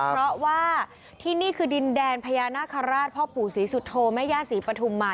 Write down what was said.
เพราะว่าที่นี่คือดินแดนพญานาคาราชพ่อปู่ศรีสุโธแม่ย่าศรีปฐุมมา